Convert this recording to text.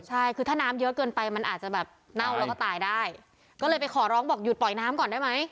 ใช่คือถ้าน้ำเยอะเกินไปมันอาจจะแบบเน่าแล้วก็ตายได้ก็เลยไปขอร้องบอกหยุดปล่อยน้ำก่อนได้ไหม